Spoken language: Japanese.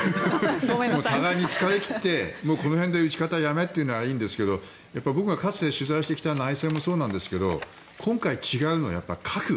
互いに疲れ切ってこの辺で撃ち方やめというのもいいんですけど僕がかつて取材してきた内戦もそうなんですけど今回違うのは、やっぱり核。